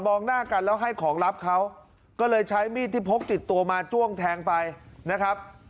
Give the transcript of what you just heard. หน้ากันแล้วให้ของรับเขาก็เลยใช้มีดที่พกติดตัวมาจ้วงแทงไปนะครับ